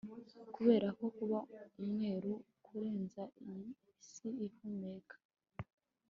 kuberako kuba umweru kurenza iyi si ihumeka